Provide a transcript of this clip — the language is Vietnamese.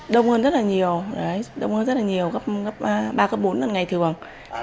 đông hơn rất là nhiều đông hơn rất là nhiều ba cấp bốn là ngày thường